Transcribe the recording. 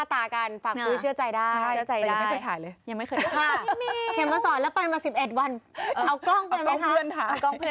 เอากล้องเพื่อนถ่ายเป็นคนดีนะคะ